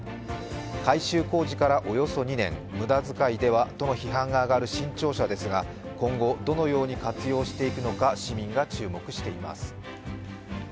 改修工事からおよそ２年、無駄遣いではとの批判が上がる新庁舎ですが、今後、どのように活用していくのか市民が注目しています。